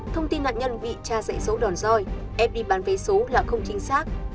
thông tin nạn nhân bị cha dãy dỗ đòn roi ép đi bán vé số là không chính xác